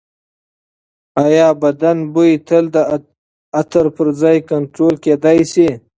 ایا بدن بوی تل د عطر پرځای کنټرول کېدی شي؟